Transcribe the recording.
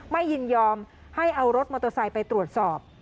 ยินยอมให้เอารถมอเตอร์ไซค์ไปตรวจสอบ